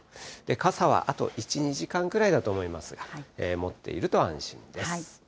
傘はあと１、２時間ぐらいだと思います、持っていると安心です。